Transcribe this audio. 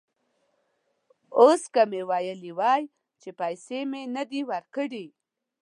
اوس که مې ویلي وای چې پیسې مې نه دي ورکړي.